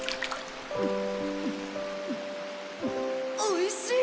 おいしい！